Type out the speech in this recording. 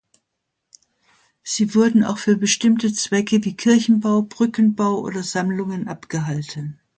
Sie wurden auch für bestimmte Zwecke wie Kirchenbau, Brückenbau oder Sammlungen abgehalten.